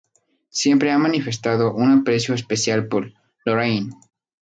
Siempre ha manifestado un aprecio especial por Lorelai.